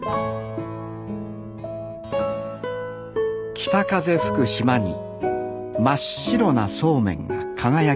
北風吹く島に真っ白なそうめんが輝きます